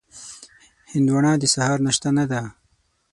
هندوانه د سهار ناشته نه ده.